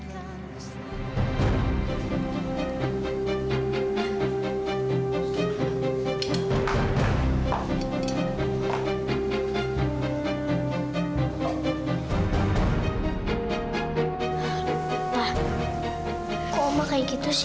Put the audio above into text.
pak kok omah kayak gitu sih